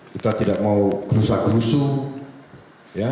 kita tidak mau kerusak kerusuk